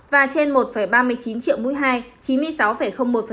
và trên một ba mươi chín triệu mũi hai chín mươi sáu một